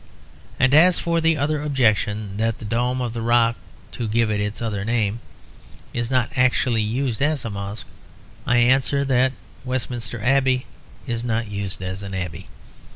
And as for the other objection, that the Dome of the Rock (to give it its other name) is not actually used as a Mosque, I answer that Westminster Abbey is not used as an Abbey.